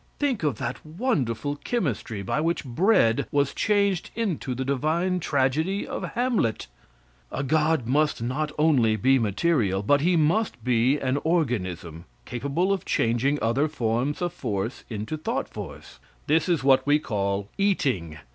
Think of that wonderful chemistry by which bread was changed into the divine tragedy of Hamlet! A god must not only be material, but he must be an organism, capable of changing other forms of force into thought force. This is what we call eating.